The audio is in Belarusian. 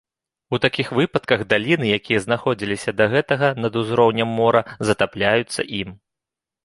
У такіх выпадках, даліны, якія знаходзіліся да гэтага над узроўнем мора, затапляюцца ім.